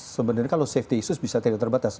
sebenarnya kalau safety issues bisa tidak terbatas